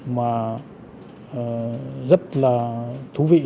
mà rất là thú vị